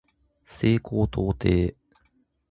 西高東低